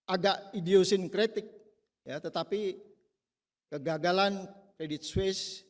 agak idiosinkretik tetapi kegagalan credit suisse